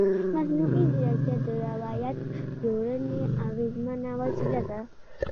مصنوعي ځیرکتیا د روایت جوړونې اغېزمنه وسیله ده.